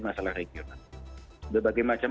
masalah regional berbagai macam